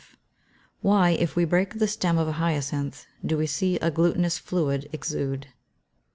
1155. _Why, if we break the stem of a hyacinth, do we see a glutinous fluid exude?